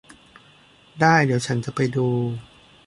ได้ เดี๋ยวฉันจะไปดู